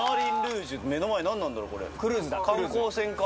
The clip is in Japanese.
観光船か。